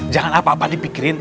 jangan apa apa dipikirin